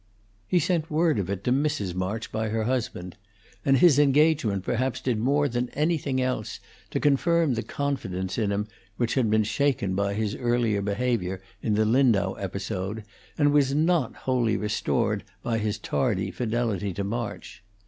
He sent word of it to Mrs. March by her husband; and his engagement perhaps did more than anything else to confirm the confidence in him which had been shaken by his early behavior in the Lindau episode, and not wholly restored by his tardy fidelity to March.